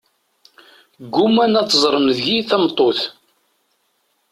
Gguman ad ẓẓren deg-i tameṭṭut.